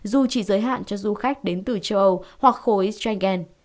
dù chỉ giới hạn cho du khách đến từ châu âu hoặc khối schengen